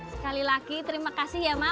sekali lagi terimakasih ya mak